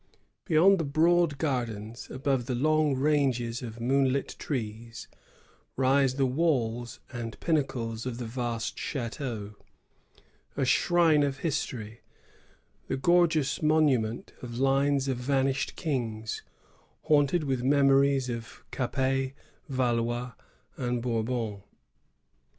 Beyond the broad gardens, above the long ranges of moonlit trees, rise the walls and pinnacles of the vast chateau, — a shrine of histoiy, the gorgeous monument of lines of vanished kings, haimted with memories of Capet, Yalois, and Bourbon.